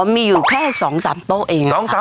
อ๋อมีอยู่แค่๒๓โต๊ะเองอะค่ะ